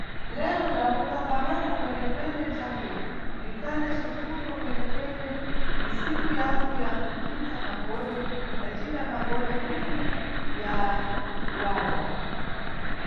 Lero ndamuka kamangu kwene-kwene thangwe ndikhana cifundo kwene-kwene, ni nsiku yangu yakupfitsa magole, ndacita magole khumi ya kubadwa.